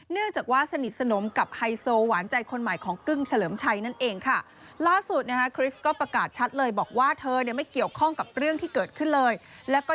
เนื่องจากว่าสนิทสนมกับไฮโซหวานใจคนใหม่ของกึ้งเฉลิมชัยนั่นเองค่ะ